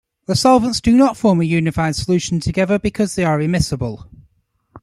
The solvents do not form a unified solution together because they are immiscible.